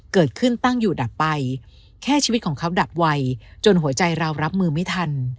เกิดขึ้นตั้งอยู่ดับไปแค่ชีวิตของเขาดับไวจนหัวใจเรารับมือไม่ทัน